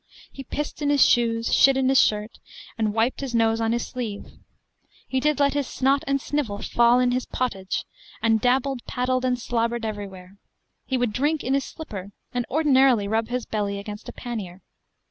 He pissed in his shoes, shit in his shirt, and wiped his nose on his sleeve he did let his snot and snivel fall in his pottage, and dabbled, paddled, and slobbered everywhere he would drink in his slipper, and ordinarily rub his belly against a pannier.